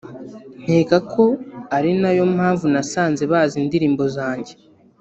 nkeka ko ari nayo mpamvu nasanze bazi indirimbo zanjye